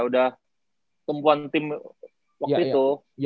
udah tempuan tim waktu itu